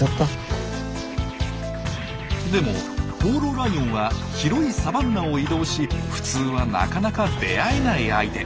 でも放浪ライオンは広いサバンナを移動し普通はなかなか出会えない相手。